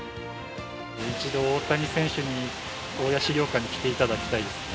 一度、大谷選手に大谷資料館に来ていただきたいですね。